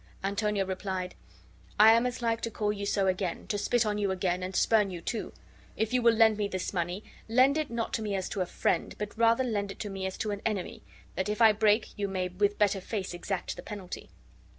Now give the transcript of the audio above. Antonio replied: "I am as like to call you so again, to spit on you again, and spurn you, too. If you will lend me this money, lend it not to me as to a friend, but rather lend it to me as to an enemy, that, if I break, you may with better face exact the penalty."